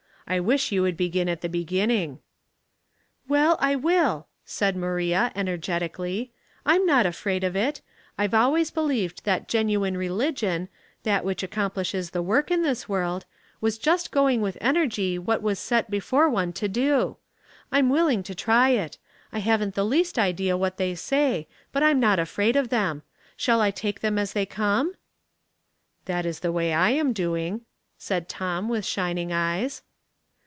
I wish you would begin at the beginning.'* "Well, I will," said Maria, energetically. " I*m not afraid of it. I've always believed that genuine religion — that which accomplishes the work in this world — was just doing with energy what was set before one to do. I'm willing to try it. I haven't the least idea what they say ; but I'm not afraid of them. Shall I take them as they come?" "That is the way I am doing," said Tom, with shining eyes.